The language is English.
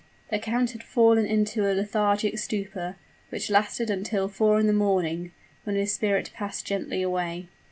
The count had fallen into a lethargic stupor, which lasted until four in the morning, when his spirit passed gently away.